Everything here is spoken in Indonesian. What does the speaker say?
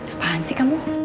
apaan sih kamu